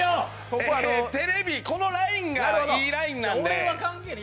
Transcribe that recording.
テレビ、このラインがいいラインなんで。